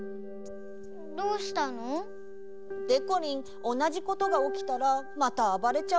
どうしたの？でこりんおなじことがおきたらまたあばれちゃうかも。